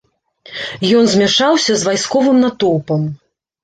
Ён змяшаўся з вайсковым натоўпам.